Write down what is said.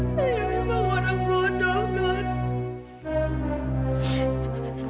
saya memang orang bodoh mbak